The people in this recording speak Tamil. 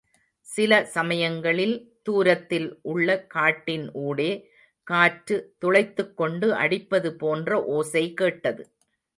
சில சமயங்களில், தூரத்தில் உள்ள காட்டின் ஊடே காற்று துளைத்துக் கொண்டு அடிப்பது போன்ற ஓசை கேட்டது.